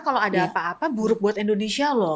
kalau ada apa apa buruk buat indonesia loh